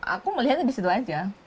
aku melihatnya di situ aja